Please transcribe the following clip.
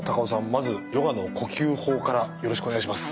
まずヨガの呼吸法からよろしくお願いします。